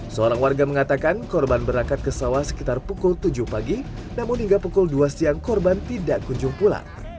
seorang warga mengatakan korban berangkat ke sawah sekitar pukul tujuh pagi namun hingga pukul dua siang korban tidak kunjung pulang